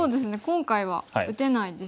今回は打てないですね。